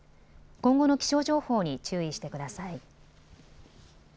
今後の気象情報に注意してください。